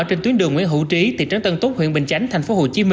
trên tuyến đường nguyễn hữu trí thị trấn tân túc huyện bình chánh tp hcm